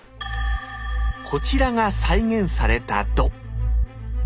こちらが再現された弩。